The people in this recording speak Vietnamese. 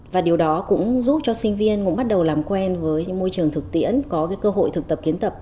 và điều đó cũng giúp cho sinh viên cũng bắt đầu làm quen với môi trường thực tiễn có cơ hội thực tập kiến tập